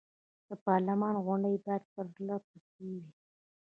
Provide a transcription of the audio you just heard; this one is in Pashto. د پارلمان غونډې باید پر له پسې وي.